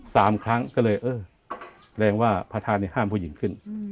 สามครั้งก็เลยเออแสดงว่าพระธานห้ามผู้หญิงขึ้น